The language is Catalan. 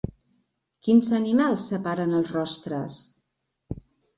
Quins animals separen els rostres?